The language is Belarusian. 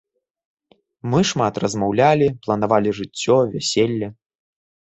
Мы шмат размаўлялі, планавалі жыццё, вяселле.